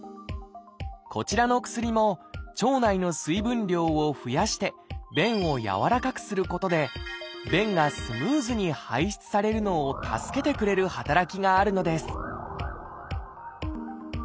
こちらの薬も腸内の水分量を増やして便を軟らかくすることで便がスムーズに排出されるのを助けてくれる働きがあるのです